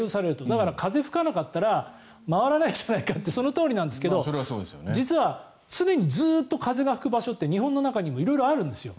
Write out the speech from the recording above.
だから、風が吹かなかったら回らないじゃないかってそのとおりなんですけど実は常にずっと風が吹く場所って日本の中にも色々あるんですよ。